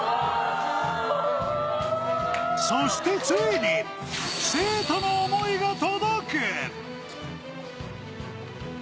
そしてついに、生徒の想いが届く。